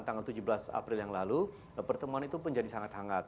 tanggal tujuh belas april yang lalu pertemuan itu pun jadi sangat hangat